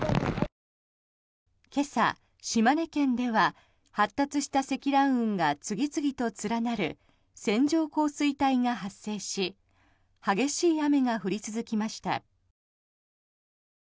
今朝、島根県では発達した積乱雲が次々と連なる線状降水帯が発生し激しい雨が降り続きました。